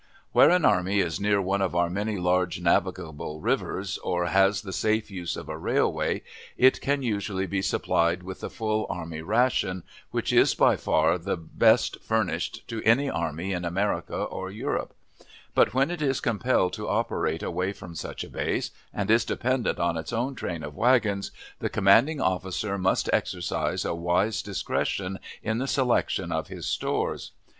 Where an army is near one of our many large navigable rivers, or has the safe use of a railway, it can usually be supplied with the full army ration, which is by far the best furnished to any army in America or Europe; but when it is compelled to operate away from such a base, and is dependent on its own train of wagons, the commanding officer must exercise a wise discretion in the selection of his stores.